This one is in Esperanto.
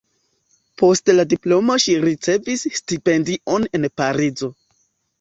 Post la diplomo ŝi ricevis stipendion en Parizo.